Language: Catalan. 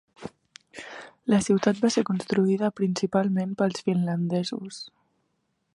La ciutat va ser construïda principalment pels finlandesos.